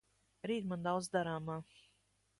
Rīt man daudz darāmā.